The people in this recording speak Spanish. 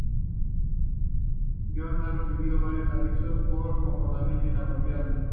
Yohannes ha recibido varios avisos por comportamiento inapropiado.